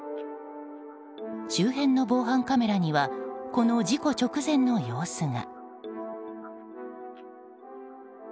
周辺の防犯カメラにはこの事故直前の様子が。